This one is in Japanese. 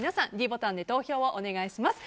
ｄボタンで投票をお願いします。